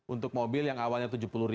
untuk mobil yang awalnya rp tujuh puluh